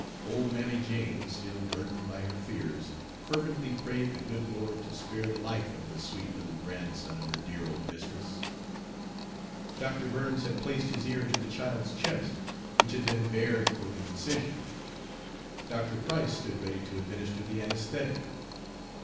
Old Mammy Jane, still burdened by her fears, fervently prayed the good Lord to spare the life of the sweet little grandson of her dear old mistress. Dr. Burns had placed his ear to the child's chest, which had been bared for the incision. Dr. Price stood ready to administer the anaesthetic.